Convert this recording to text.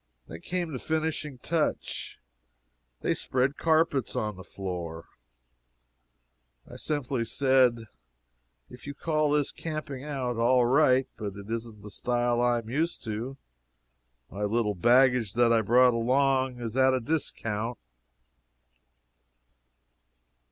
Then came the finishing touch they spread carpets on the floor! I simply said, "If you call this camping out, all right but it isn't the style I am used to; my little baggage that I brought along is at a discount."